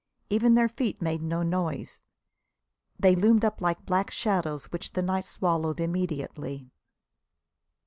Even their feet made no noise. They loomed up like black shadows which the night swallowed immediately.